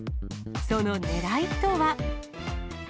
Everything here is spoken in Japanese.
そのねらいとは。